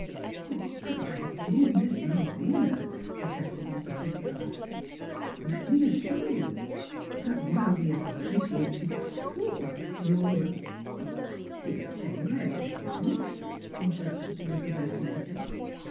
" But my dear Miss Malvina," protested Mr. Pettibone. " Let me assure you that while we appreciate to the full your "" I didn't tell you everythin'," interrupted the little dressmaker.